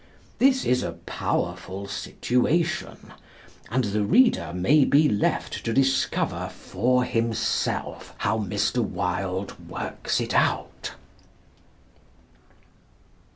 This is a powerful situation; and the reader may be left to discover for himself how Mr. Wilde works it out.